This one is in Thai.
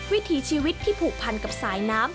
วิถีชีวิตที่ผูกพันกับสายน้ำ